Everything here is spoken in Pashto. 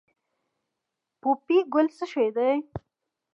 پوپی ګل څه شی دی؟